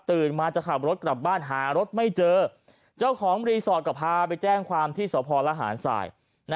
มาจะขับรถกลับบ้านหารถไม่เจอเจ้าของรีสอร์ทก็พาไปแจ้งความที่สพลหารสาย